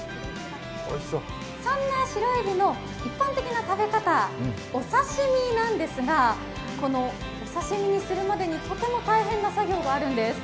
そんなシロエビの一般的な食べ方、お刺身なんですが、このお刺身にするまでとても大変な作業があるんです。